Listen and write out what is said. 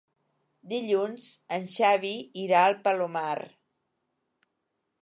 Dilluns en Xavi irà al Palomar.